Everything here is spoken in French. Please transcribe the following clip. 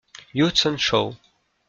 Hudson Shaw.